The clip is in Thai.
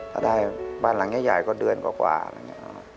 ถ้าได้บ้านหลังใหญ่ก็เดือนกว่าอะไรอย่างนี้